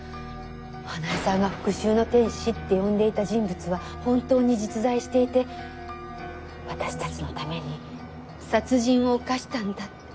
花絵さんが復讐の天使って呼んでいた人物は本当に実在していて私たちのために殺人を犯したんだって。